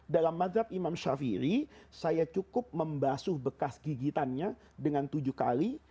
dalam madhab imam ⁇ shafiri saya cukup membasuh bekas gigitannya dengan tujuh kali